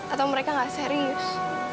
atau mereka gak serius